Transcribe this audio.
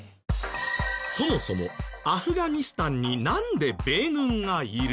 そもそもアフガニスタンになんで米軍がいる？